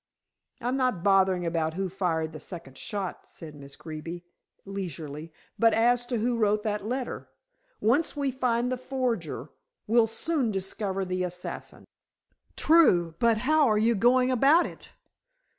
"I'm not bothering about who fired the second shot," said Miss Greeby leisurely, "but as to who wrote that letter. Once we find the forger, we'll soon discover the assassin." "True; but how are you going about it?"